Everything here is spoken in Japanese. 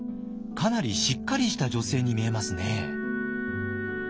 かなりしっかりした女性に見えますね。